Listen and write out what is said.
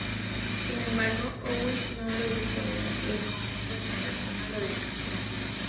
Sin embargo, Howe no lo hizo bien y el conjunto neoyorquino le descartó.